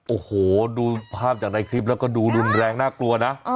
โอ้โหดูภาพจากในคลิปแล้วก็ดูรุนแรงน่ากลัวนะ